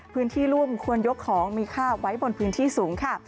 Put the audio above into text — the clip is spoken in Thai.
พื้นที่รุ่มควรยกของมีค่าไว้บนพื้นที่สูงค่ะ